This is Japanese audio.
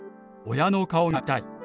「親の顔がみたい」。